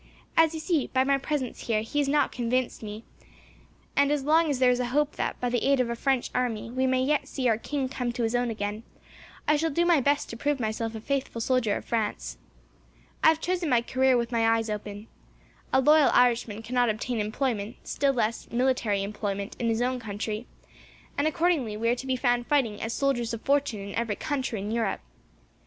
As you see, by my presence here, he has not convinced me, and as long as there is a hope that, by the aid of a French army, we may yet see our king come to his own again, I shall do my best to prove myself a faithful soldier of France. I have chosen my career with my eyes open. A loyal Irishman cannot obtain employment, still less military employment, in his own country, and accordingly, we are to be found fighting as soldiers of fortune in every country in Europe.